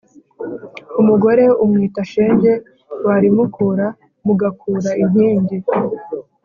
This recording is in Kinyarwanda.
Umugore umwita shenge warimukura mugakura inkingi.